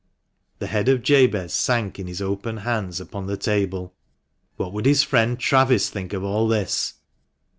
The head of Jabez sank in his open hands upon the table. What would his friend Travis think of all this